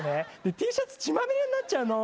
Ｔシャツ血まみれになっちゃうの。